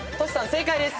正解です。